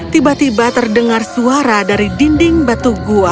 tiba tiba terdengar suara dari dinding batu gua